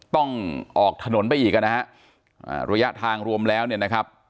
ต้องออกถนนไปอีกอ่ะนะฮะระยะทางรวมแล้วเนี่ยนะครับ